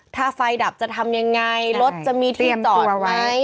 ถ้าไฟดับจะทำยังไงรถจะมีที่จอดไหม